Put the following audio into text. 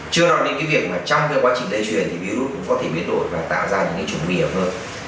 chưa nói đến cái việc mà trong cái quá trình lây chuyển thì virus cũng có thể biến đổi và tạo ra những cái chủng bì ẩm hơn